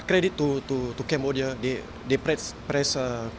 tapi kredit kepada kamboja mereka mempercepat dengan baik